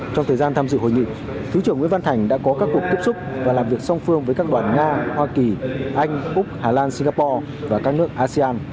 trong thời gian tham dự hội nghị thứ trưởng nguyễn văn thành đã có các cuộc tiếp xúc và làm việc song phương với các đoàn nga hoa kỳ anh úc hà lan singapore và các nước asean